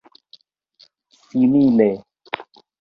simile